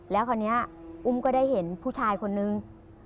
แล้วคราวนี้อุ้มก็ได้เห็นผู้ชายคนนึง